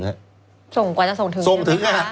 ส่งกว่าจะส่งถึง